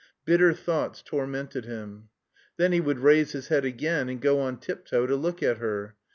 Bitter thoughts tormented him.... Then he would raise his head again and go on tiptoe to look at her.